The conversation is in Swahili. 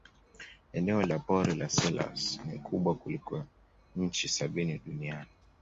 eneo la pori la selous ni kubwa kuliko nchi sabini duniani